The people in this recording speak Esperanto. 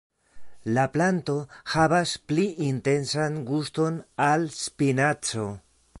La planto havas pli intensan guston al spinaco.